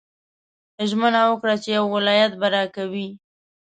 ژمنه وکړه چې یو ولایت به راکوې.